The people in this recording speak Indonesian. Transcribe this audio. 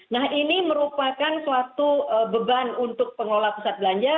nah ini merupakan suatu beban untuk pengelola pusat belanja